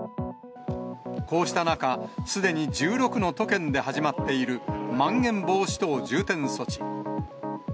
こうした中、すでに１６の都県で始まっているまん延防止等重点措置。